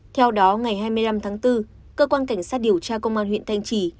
theo đó ngày hai mươi năm tháng bốn cơ quan cảnh sát điều tra công an huyện thanh trì